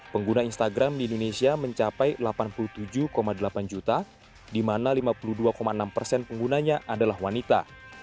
pengguna instagram di indonesia mencapai delapan puluh tujuh delapan juta di mana lima puluh dua enam persen penggunanya adalah wanita